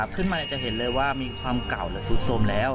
ขึ้นมาจะเห็นเลยว่ามีความเก่าและซุดสมแล้ว